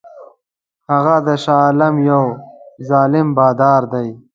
هغه د شاه عالم یو ظالم بادار دی.